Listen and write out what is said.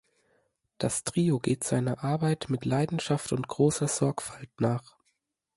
Das Trio geht seiner Arbeit mit Leidenschaft und großer Sorgfalt nach.